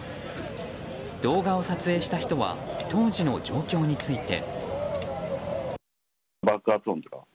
動画を撮影した人は当時の状況について。